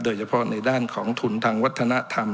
โดยเฉพาะในด้านของทุนทางวัฒนธรรม